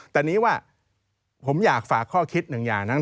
แต่นี้ว่าผมอยากฝากข้อคิดหนึ่งอย่างนั้น